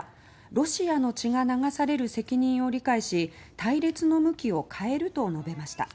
ロシアの血が流される責任を理解し隊列の向きを変えると述べました。